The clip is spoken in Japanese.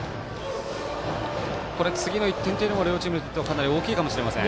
次の１点というのも両チームにとって大きいかもしれません。